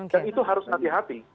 dan itu harus hati hati